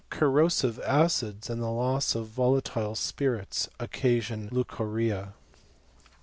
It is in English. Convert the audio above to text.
Corrosive acids, and the loss of volatile spirits/ occasion leucorrhoea.